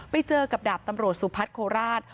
ไปเจอกับดาบตำรวจสุพัฒน์โคราช